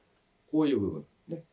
こういう部分。